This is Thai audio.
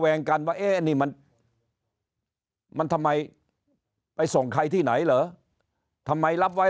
วงกันว่าเอ๊ะนี่มันมันทำไมไปส่งใครที่ไหนเหรอทำไมรับไว้